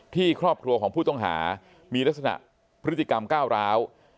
ครอบครัวของผู้ต้องหามีลักษณะพฤติกรรมก้าวร้าว